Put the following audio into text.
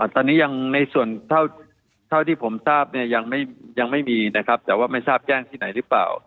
ตอนนี้ยังในส่วนเท่าที่ผมทราบเนี่ยยังไม่มีนะครับแต่ว่าไม่ทราบแจ้งที่ไหนหรือเปล่า